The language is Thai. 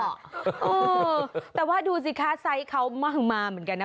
เออแต่ว่าดูสิคะไซส์เขามากมาเหมือนกันนะ